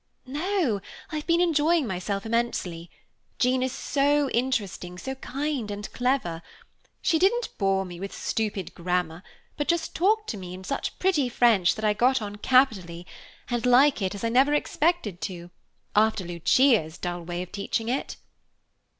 "No, I've been enjoying myself immensely. Jean is so interesting, so kind and clever. She didn't bore me with stupid grammar, but just talked to me in such pretty French that I got on capitally, and like it as I never expected to, after Lucia's dull way of teaching it."